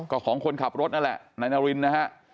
ก็ของคนขับรถนั่นแหละนายนารินนะฮะ